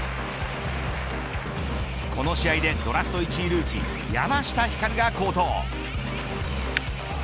この試合でドラフト１位ルーキー山下輝が好投。